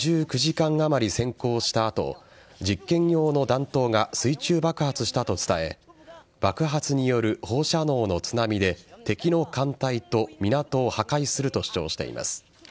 攻撃艇は５９時間あまり潜行した後実験用の弾頭が水中爆発したと伝え爆発による放射能の津波で敵の艦隊と港を破壊すると主張しています。